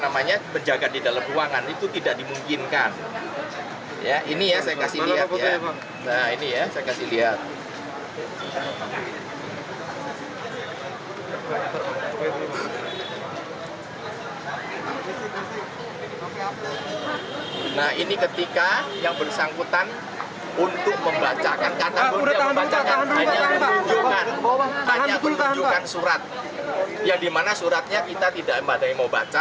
mayudin itu siapa juga saya nggak tahu